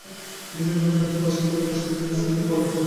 পুলিশের সূত্রে জানা গেছে, বাসার ভেতর বেশ কিছু ককটেল পাওয়া গেছে।